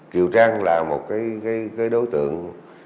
kiều trang là một cái đối tượng